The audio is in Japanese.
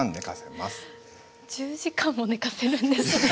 １０時間もねかせるんですね。